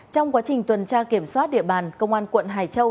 trong quá trình tuần tra kiểm soát địa bàn công an quận hải châu